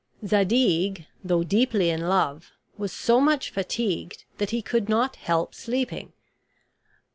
Zadig, though deeply in love, was so much fatigued that he could not help sleeping.